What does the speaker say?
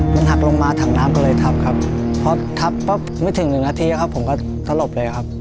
มันหักลงมาถังน้ำก็เลยทับครับพอทับปั๊บไม่ถึงหนึ่งนาทีครับผมก็สลบเลยครับ